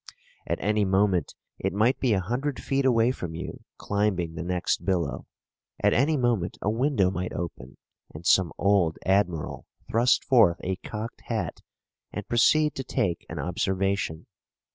At any moment it might be a hundred feet away from you, climbing the next billow. At any moment a window might open, and some old admiral thrust forth a cocked hat, and proceed to take an observation.